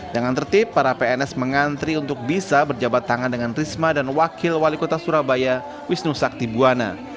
dengan tertib para pns mengantri untuk bisa berjabat tangan dengan risma dan wakil wali kota surabaya wisnu sakti buwana